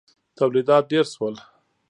تولیدات ډېر شول.